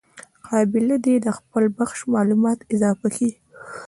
قابله دي د خپل بخش معلومات اضافه کي.